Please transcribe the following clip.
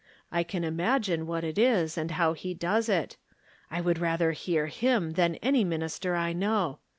I can imagine what it is, and how he does it. I would rather hear him than any min ister I know.